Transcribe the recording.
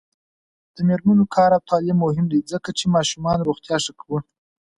د میرمنو کار او تعلیم مهم دی ځکه چې ماشومانو روغتیا ښه کو.